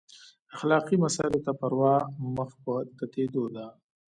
اخلاقي مسایلو ته پروا مخ په تتېدو ده.